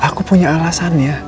aku punya alasannya